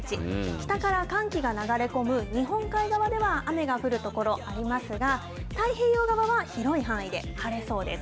北から寒気が流れ込む日本海側では、雨が降る所ありますが、太平洋側は広い範囲で晴れそうです。